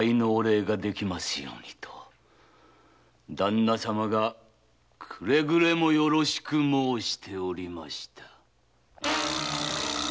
旦那様がくれぐれもよろしく申しておりました。